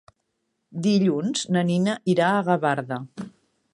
Dilluns na Nina irà a Gavarda.